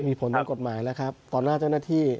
มีผลทางกฎหมายแล้วครับต่อหน้าเจ้าหน้าที่